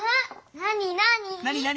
なになに？